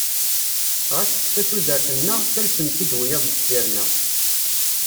Ɣas tekfa tudert-nneɣ ttalsen-tt-id wiyaḍ deffir-nneɣ.